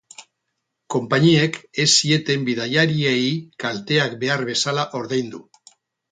Konpainiek ez zieten bidaiariei kalteak behar bezala ordaindu.